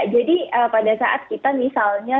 jadi pada saat kita misalnya